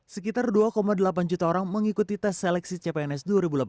sekitar dua delapan juta orang mengikuti tes seleksi cpns dua ribu delapan belas